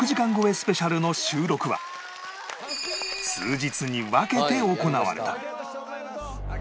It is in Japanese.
スペシャルの収録は数日に分けて行われた